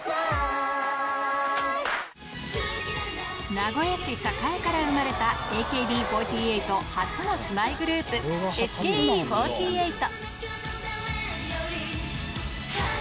名古屋市栄から生まれたＡＫＢ４８初の姉妹グループ、ＳＫＥ４８。